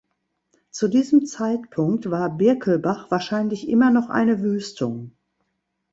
Zu diesem Zeitpunkt war Birkelbach wahrscheinlich immer noch eine Wüstung.